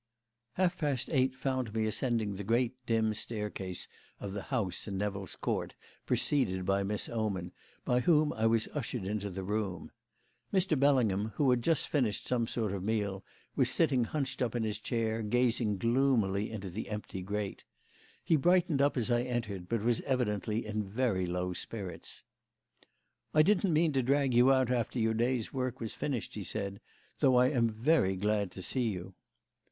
Half past eight found me ascending the great, dim staircase of the house in Nevill's Court preceded by Miss Oman, by whom I was ushered into the room. Mr. Bellingham, who had just finished some sort of meal, was sitting hunched up in his chair gazing gloomily into the empty grate. He brightened up as I entered, but was evidently in very low spirits. "I didn't mean to drag you out after your day's work was finished," he said, "though I am very glad to see you."